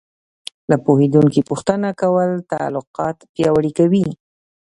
له پوهېدونکي پوښتنه کول تعلقات پیاوړي کوي.